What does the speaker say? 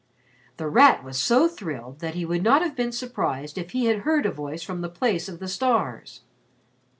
The Rat was so thrilled that he would not have been surprised if he had heard a voice from the place of the stars.